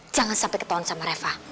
jangan sampe ketauan sama reva